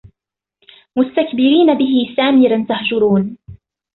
مُسْتَكْبِرِينَ بِهِ سَامِرًا تَهْجُرُونَ